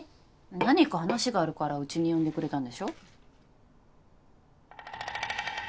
何か話があるからうちに呼んでくれたんでしょ。